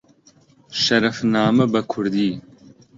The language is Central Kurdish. شەرەفنامە بە کوردی